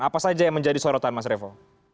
apa saja yang menjadi sorotan mas revo